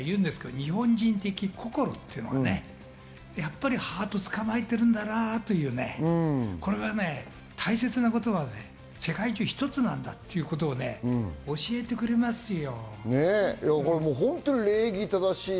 日本人的な心っていうのは、やっぱりハートをつかまえてるんだなっというふうに大切なことは世界中一つなんだっていうことを教えてくれますよ。